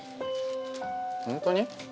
ホントに？